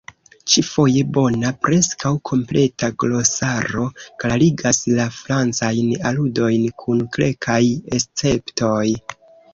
Ĉi-foje bona, preskaŭ kompleta glosaro klarigas la francajn aludojn, kun kelkaj esceptoj.